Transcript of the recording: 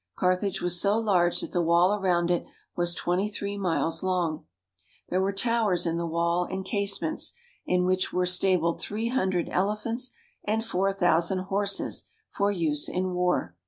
Carthage was so large that the wall around it was twenty three miles long. There were towers in the wall and casements, in which were stabled three hundred elephants and four thou sand horses for use in war.